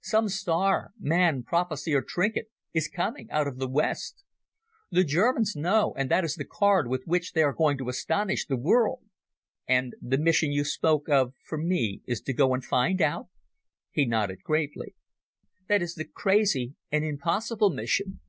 Some star—man, prophecy, or trinket—is coming out of the West. The Germans know, and that is the card with which they are going to astonish the world." "And the mission you spoke of for me is to go and find out?" He nodded gravely. "That is the crazy and impossible mission."